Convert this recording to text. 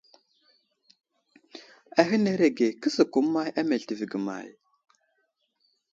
Ahənerege :» kəsəkum əmay á meltivi ge may ?«.